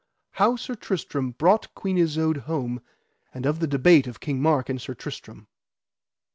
How Sir Tristram brought Queen Isoud home, and of the debate of King Mark and Sir Tristram.